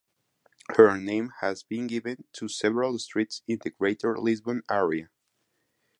Her name has been given to several streets in the Greater Lisbon area.